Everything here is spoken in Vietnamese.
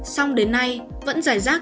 xong đến nay vẫn giải rác